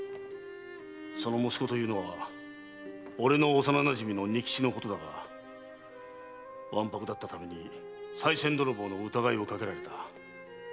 その息子というのは俺の幼なじみの仁吉のことだがわんぱくだったためにさい銭泥棒の疑いをかけられた。